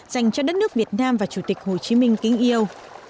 dành cho đất nước việt nam và chủ tịch hồ chí minh kính yêu